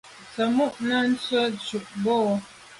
Tsemo’ te ntsi tu bo.